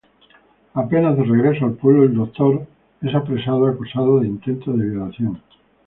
Apenas de regreso al pueblo, el doctor es apresado, acusado de intento de violación.